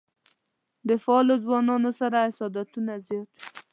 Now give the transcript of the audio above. له فعالو ځوانانو سره حسادتونه زیات وي.